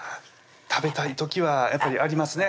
食べたい時はやっぱりありますね